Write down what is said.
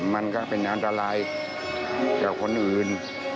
มันก็เป็นอันตรายกับคนอื่น